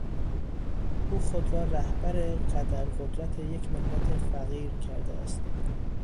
او خود را رهبر قدر قدرت یک ملت فقیر کرده است.